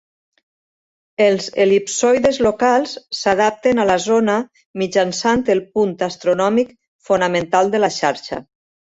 Els el·lipsoides locals s'adapten a la zona mitjançant el punt astronòmic fonamental de la xarxa.